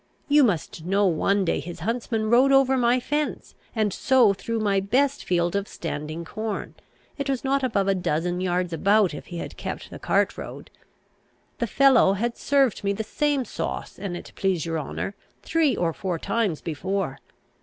You must know one day his huntsman rode over my fence, and so through my best field of standing corn. It was not above a dozen yards about if he had kept the cart road. The fellow had served me the same sauce, an it please your honour, three or four times before.